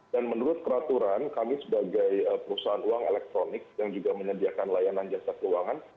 dan menurut peraturan kami sebagai perusahaan uang elektronik yang juga menyediakan layanan jasa keuangan